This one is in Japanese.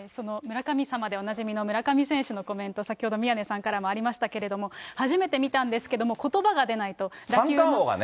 その村神様でおなじみの村上選手のコメント、先ほど宮根さんからもありましたけれども、初めて見たんですけれども、ことばが三冠王がね。